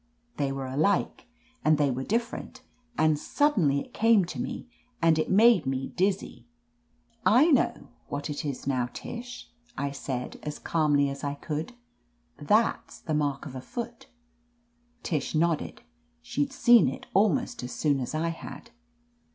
They were alike, and they were different, and suddenly it came to me, and it made me dizzy. 'T know what it is now, Tish," I said as calmly as I could. "That's the maxk of a footr Tish nodded. She'd seen it almost as soon las I had.